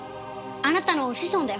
あなたの子孫だよ。